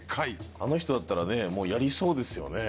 あの人だったらねやりそうですよね。